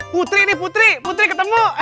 putri ini putri putri ketemu